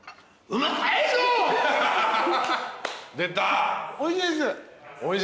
うまい。